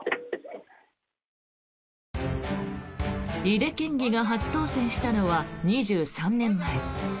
井手県議が初当選したのは２３年前。